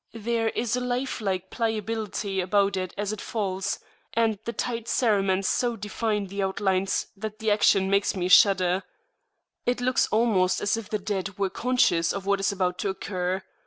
There is a life like pliability [p.34] about it as it falls, and the tight cerements so define the outlines that the action makes me shudder. It looks almost as if the dead were conscious of what is about to occur.